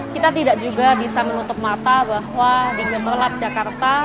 kita tidak juga bisa menutup mata bahwa di gemerlap jakarta